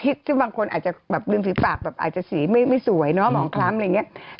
มีทิศที่บางคนอาจจะลืมสีปากอาจจะสีไม่สวยมองคล้ำอะไรอย่างนี้